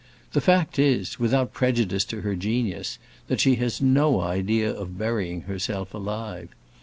The fact is, without prejudice to her genius, that she has no idea of burying herself alive.